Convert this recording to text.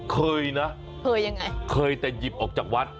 เคยนะเคยแต่หยิบออกจากวัด